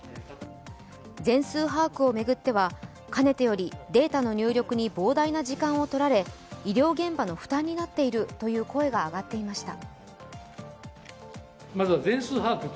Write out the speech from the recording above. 全数把握を巡ってはかねてよりデータの入力に膨大な時間をとられ医療現場の負担になっているという声が上がっていました。